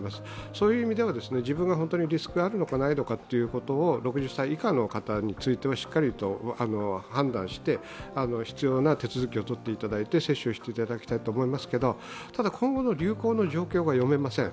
そういう意味では自分が本当にリスクがあるのか、ないのか６０歳以下の方についてはしっかりと判断して、必要な手続きをとっていただいて接種していただきたいと思いますが、今後の流行の状況が読めません